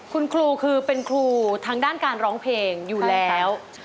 คุณครูคือเป็นครูทางด้านการร้องเพลงอยู่แล้ว